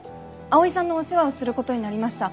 碧さんのお世話をする事になりました